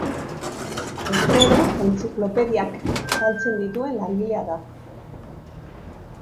Alfredo entziklopediak saltzen dituen langilea da.